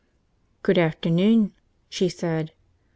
"Good afternoon," she said.